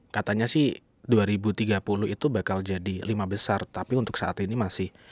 katanya sih dua ribu tiga puluh itu bakal jadi lima besar tapi untuk saat ini masih